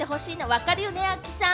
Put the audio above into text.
分かるよね、亜希さん。